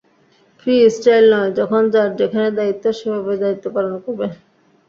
Free style নয়, যখন যার যেখানে দায়িত্ব সেভাবেই দায়িত্ব পালন করবে।